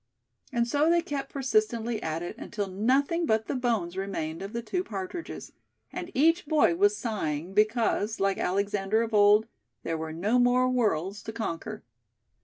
And so they kept persistently at it until nothing but the bones remained of the two partridges; and each boy was sighing because, like Alexander of old, there were no more worlds to conquer.